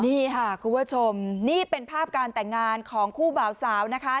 นี่ค่ะคุณผู้ชมนี่เป็นภาพการแต่งงานของคู่บ่าวสาวนะคะ